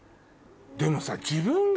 でもさ。